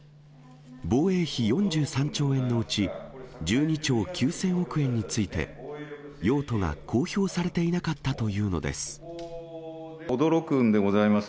防衛費４３兆円のうち、１２兆９０００億円について、用途が公表されていなかったというのです。